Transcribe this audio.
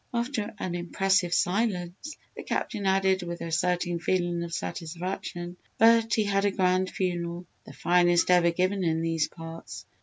After an impressive silence the Captain added with a certain feeling of satisfaction: "But he had a grand funeral! The finest ever given in these parts.